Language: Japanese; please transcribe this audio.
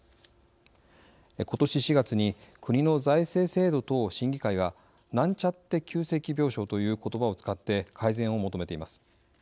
ことし４月に国の財政制度等審議会がなんちゃって急性期病床という言葉を使って改善を求めています。